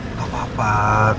makasih ya sayang